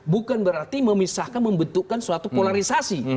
bukan berarti memisahkan membentukkan suatu polarisasi